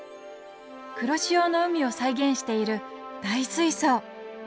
黒潮の海を再現している大水槽！